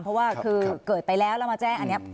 เพราะว่าคือเกิดไปแล้วแล้วมาแจ้งอันนี้